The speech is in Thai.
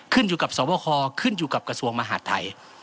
ขึ้นอยู่กับสวบคขึ้นอยู่กับกระทรวงมหาดไทย